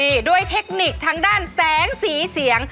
นี่ด้วยเทคนิคทางด้านแสงสีเสียง